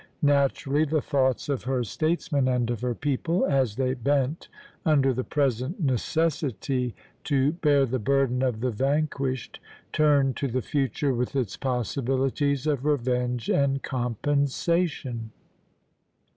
Naturally the thoughts of her statesmen and of her people, as they bent under the present necessity to bear the burden of the vanquished, turned to the future with its possibilities of revenge and compensation.